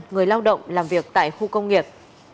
người lao động làm việc tại khu công nghiệp